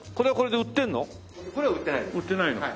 売ってないの。